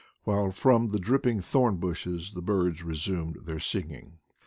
while from the dripping thorn bushes the birds resumed their singing.